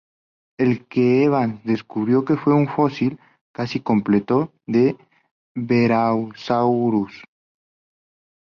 Lo que Evans descubrió fue un fósil casi completo de "Barosaurus".